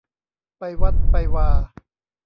ไปวัดไปวา